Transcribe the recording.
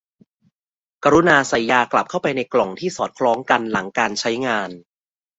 กรุณาใส่ยากลับเข้าไปในกล่องที่สอดคล้องกันหลังการใช้งาน